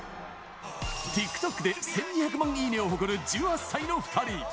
ＴｉｋＴｏｋで１２００万いいねを誇る１８歳の２人。